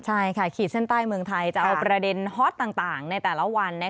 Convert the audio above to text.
ใช่ค่ะขีดเส้นใต้เมืองไทยจะเอาประเด็นฮอตต่างในแต่ละวัน